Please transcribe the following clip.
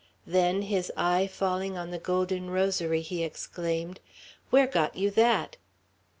Then his eye falling on the golden rosary, he exclaimed, "Where got you that?"